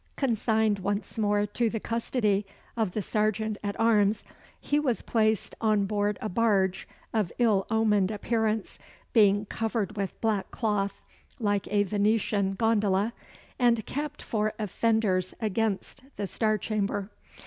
Consigned once more to the custody of the serjeant at arms, he was placed on board a barge, of ill omened appearance, being covered with black cloth, like a Venetian gondola, and kept for offenders against the Star Chamber.